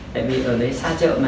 tại vì ở đấy xa chợ mà